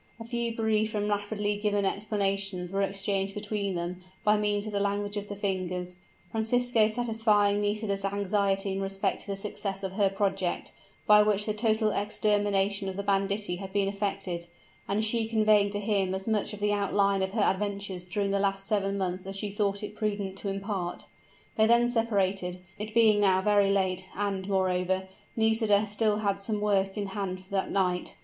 A few brief and rapidly given explanations were exchanged between them, by means of the language of the fingers, Francisco satisfying Nisida's anxiety in respect to the success of her project, by which the total extermination of the banditti had been effected, and she conveying to him as much of the outline of her adventures during the last seven months as she thought it prudent to impart. They then separated, it being now very late; and, moreover, Nisida had still some work in hand for that night.